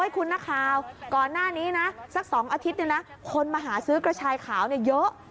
คุณนักข่าวก่อนหน้านี้นะสัก๒อาทิตย์คนมาหาซื้อกระชายขาวเยอะ